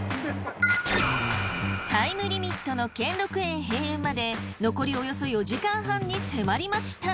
タイムリミットの兼六園閉園まで残りおよそ４時間半に迫りました。